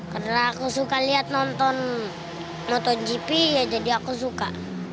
karena aku suka lihat nonton motogp ya jadi aku suka